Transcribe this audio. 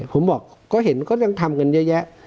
ผมบอกก็เห็นก็ยังทำกันเยอะแยะ